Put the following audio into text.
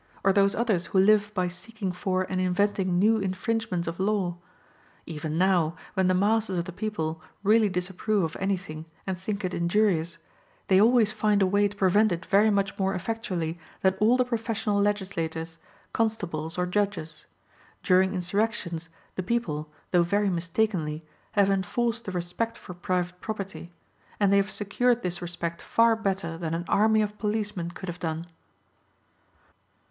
Or those others who live by seeking for and inventing new infringements of law? Even now, when the masses of the people really disapprove of anything and think it injurious, they always find a way to prevent it very much more effectually than all the professional legislators, constables or judges. During insurrections, the people, though very mistakenly, have enforced the respect for private property; and they have secured this respect far better than an army of policemen could have done.